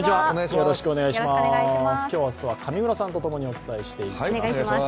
今日、明日は上村さんとともにお伝えしていきます。